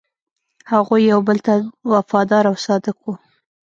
هغوی یو بل ته وفادار او صادق وو.